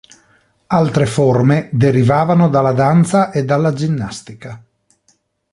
Altre forme derivavano dalla danza e dalla ginnastica.